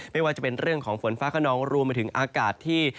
ไม่ว่าจะเป็นเรื่องของฝนฟ้าขนองรวมไปถึงอากาศที่